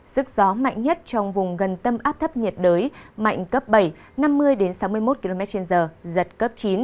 sức gió mạnh nhất trong vùng gần tâm áp thấp nhiệt đới mạnh cấp bảy năm mươi sáu mươi một kmh giật cấp chín